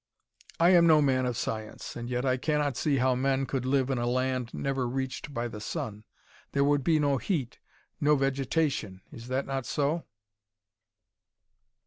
"I am no man of science, and yet I cannot see how men could live in a land never reached by the sun. There would be no heat, no vegetation. Is that not so?"